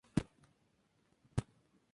Nunca se casó, ni dejó descendencia.